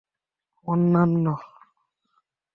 – Ananya!